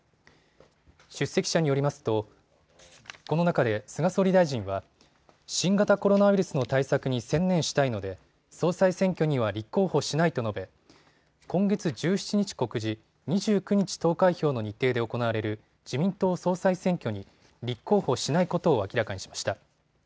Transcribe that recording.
出席者によりますとこの中で菅総理大臣は新型コロナウイルスの対策に専念したいので総裁選挙には立候補しないと述べ今月１７日告示、２９日投開票の日程で行われる自民党総裁選挙に立候補しないことを明らかにしました。